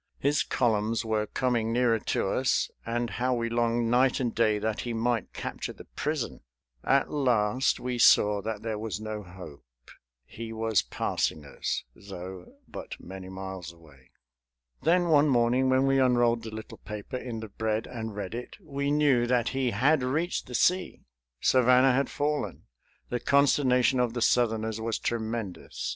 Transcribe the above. His columns were coming nearer to us; and how we longed night and day that he might capture the prison! At last we saw that there was no hope. He was passing us, though, but many miles away. Then one morning, when we unrolled the little paper in the bread and read it, we knew that he had reached the sea. Savannah had fallen. The consternation of the Southerners was tremendous.